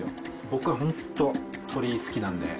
僕本当、鳥好きなんで。